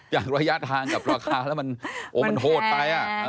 ระยะทางกับราคาแล้วมันโหดไป